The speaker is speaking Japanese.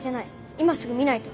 今すぐ診ないと。